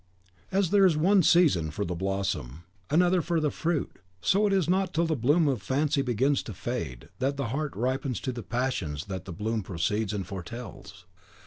As there is one season for the blossom, another for the fruit; so it is not till the bloom of fancy begins to fade, that the heart ripens to the passions that the bloom precedes and foretells.